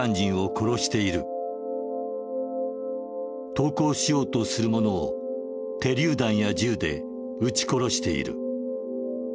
「投降しようとする者を手りゅう弾や銃で撃ち殺している」。